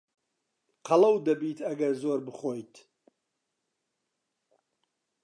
قەڵەو دەبیت ئەگەر زۆر بخۆیت.